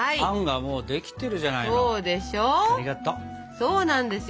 そうなんですよ。